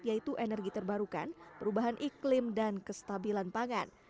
yaitu energi terbarukan perubahan iklim dan kestabilan pangan